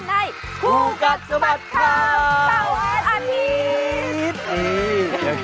ในคู่กัดสบัดกับเจ้าแม่อาทิตย์